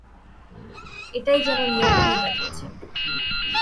এটাই যেন নিয়ম হয়ে দাঁড়িয়েছে।